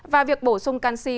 và việc bổ sung canxi